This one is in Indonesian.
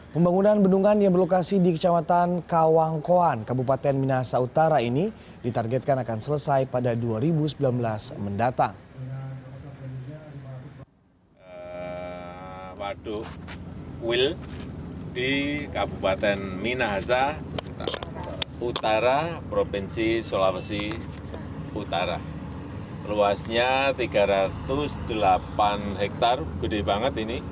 pembangunan bendungan yang berlokasi di kecamatan kawangkoan kabupaten minahasa utara ini ditargetkan akan selesai pada dua ribu sembilan belas mendatang